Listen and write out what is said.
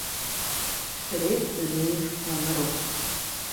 Щрет дунейр мамыру!